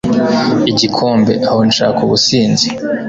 igikombe, aho nshaka ubusinzi